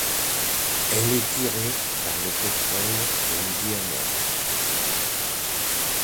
Elle est tirée par le pétrole et le diamant.